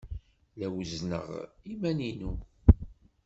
La wezzneɣ iman-inu.